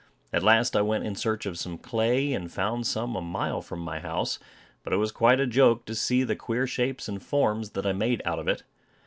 At last I went in search of some clay, and found some a mile from my house; but it was quite a joke to see the queer shapes and forms that I made out of it.